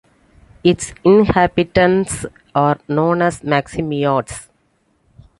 Its inhabitants are known as "Meximiards".